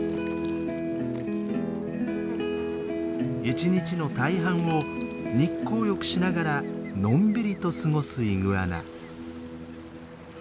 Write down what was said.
一日の大半を日光浴しながらのんびりと過ごすイグアナ。